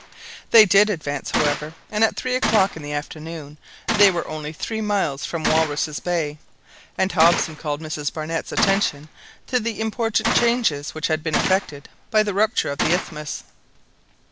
They did advance, however, and at three o'clock in the afternoon they were only three miles from Walruses' Bay, and Hobson called Mrs Barnett's attention to the important changes which had been effected by the rupture of the isthmus.